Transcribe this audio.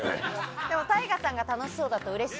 でもＴＡＩＧＡさんが楽しそうだと、うれしい。